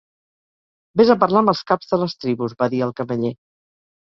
"Ves a parlar amb els caps de les tribus", va dir el cameller.